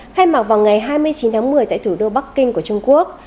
khai mạc vào ngày hai mươi chín tháng một mươi tại thủ đô bắc kinh của trung quốc